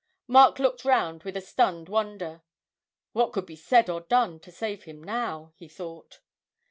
Mark looked round with a stunned wonder. What could be said or done to save him now? he thought.